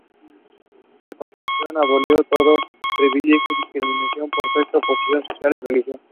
La Constitución abolió todo privilegio y discriminación por sexo, posición social, y religión.